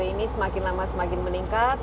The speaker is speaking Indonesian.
ini semakin lama semakin meningkat